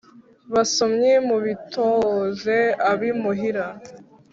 Basomyi mubitoze ab’imuhira